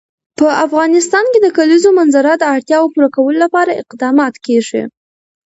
په افغانستان کې د کلیزو منظره د اړتیاوو پوره کولو لپاره اقدامات کېږي.